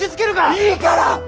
いいから！